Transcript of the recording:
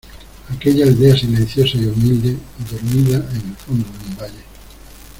aquella aldea silenciosa y humilde, dormida en el fondo de un valle